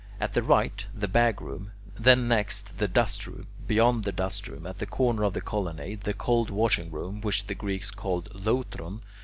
At the right, the bag room (C); then next, the dust room (D); beyond the dust room, at the corner of the colonnade, the cold washing room (E), which the Greeks call [Greek: loutron].